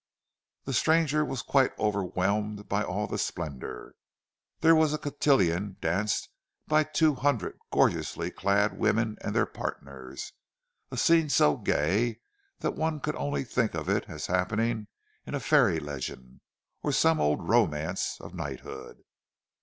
The stranger was quite overwhelmed by all the splendour. There was a cotillion danced by two hundred gorgeously clad women and their partners—a scene so gay that one could only think of it as happening in a fairy legend, or some old romance of knighthood.